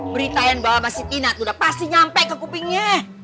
beritahin bahwa sama si tina tuh udah pasti nyampe ke kupingnya